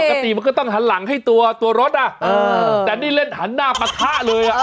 ปกติมันก็ต้องหันหลังให้ตัวรถแต่นี่เล่นหันหน้าปะทะเลอ่ะ